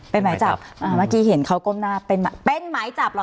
เป็นหมายจับอ่าเมื่อกี้เห็นเขาก้มหน้าเป็นหมายจับเหรอค